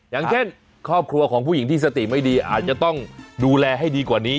อย่างเช่นครอบครัวของผู้หญิงที่สติไม่ดีอาจจะต้องดูแลให้ดีกว่านี้